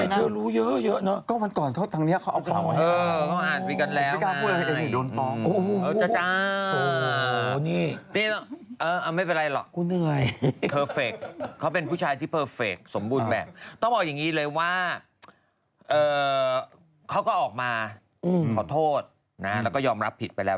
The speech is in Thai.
พูดถึงได้แบบว่าเอ่อพิมพ์ไปแบบนั้นอะไรแบบนั้น